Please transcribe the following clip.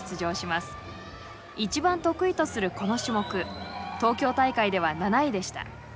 一番得意とするこの種目東京大会では７位でした。